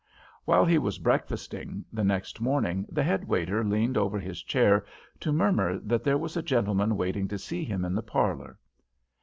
While he was breakfasting the next morning, the head waiter leaned over his chair to murmur that there was a gentleman waiting to see him in the parlour.